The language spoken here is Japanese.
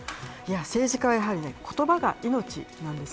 政治家はやはり言葉が命なんです。